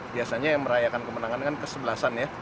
biasanya yang merayakan kemenangan kan kesebelasan ya